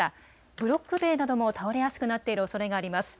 ブロック塀なども倒れやすくなっているおそれがあります。